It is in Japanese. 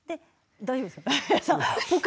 大丈夫ですか？